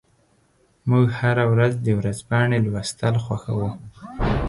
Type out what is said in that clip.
موږ هره ورځ د ورځپاڼې لوستل خوښوو.